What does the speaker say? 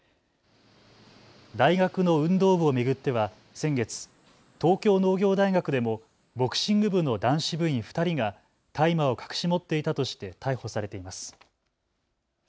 大学の運動部を巡っては先月、東京農業大学でもボクシング部の男子部員２人が大麻を隠し持っていたとして逮捕されています。